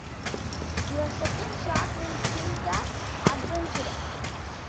A second shot will kill the adventurer.